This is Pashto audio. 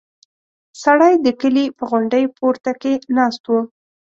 سړی د کلي په غونډۍ پورته کې ناست و.